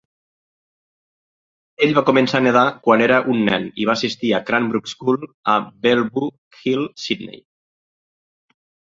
Ell va començar a nedar quan era un nen i va assistir a Cranbrook School a Bellevue Hill, Sydney.